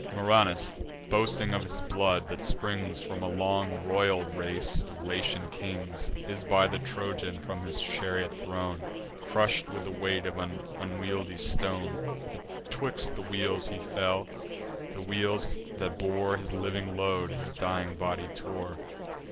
Murranus, boasting of his blood, that springs From a long royal race of Latian kings, Is by the Trojan from his chariot thrown, Crush'd with the weight of an unwieldy stone: Betwixt the wheels he fell; the wheels, that bore His living load, his dying body tore.